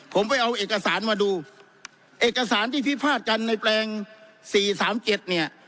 ผมไปเอาเอกสารมาดูเอกสารที่พิพาทกันในแปลงสี่สามเจ็ดเนี่ย